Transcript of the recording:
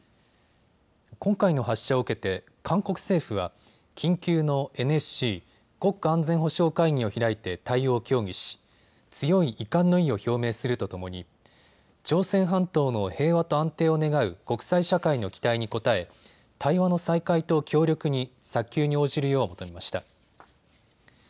今回の発射を受けて韓国政府は緊急のＮＳＣ・国家安全保障会議を開いて対応を協議し強い遺憾の意を表明するとともに朝鮮半島の平和と安定を願う国際社会の期待に応え対話の再開と協力に早急に応じるよう求めました。